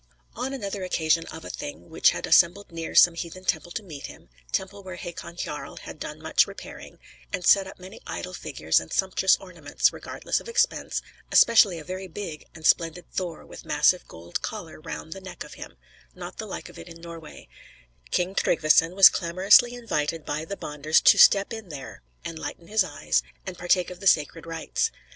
On another occasion of a Thing, which had assembled near some heathen temple to meet him, temple where Hakon Jarl had done much repairing, and set up many idol figures and sumptuous ornaments, regardless of expense, especially a very big and splendid Thor, with massive gold collar round the neck of him, not the like of it in Norway, King Tryggveson was clamorously invited by the Bonders to step in there, enlighten his eyes, and partake of the sacred rites.